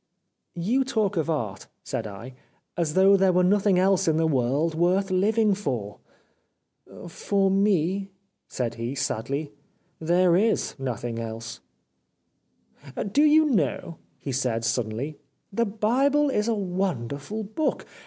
*"' You talk of Art,' said I, ' as though there were nothing else in the world worth living for.' "' For me,' said he sadly, ' there is nothing else.' Do you know,' he said suddenly, ' the Bible is a wonderful book.